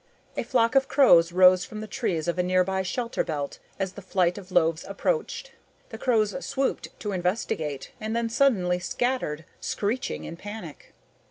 A flock of crows rose from the trees of a nearby shelterbelt as the flight of loaves approached. The crows swooped to investigate and then suddenly scattered, screeching in panic.